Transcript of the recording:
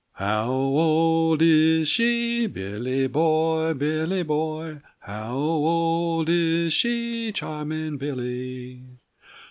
_ "How old is she, Billy boy, Billy boy, How old is she, charming Billy?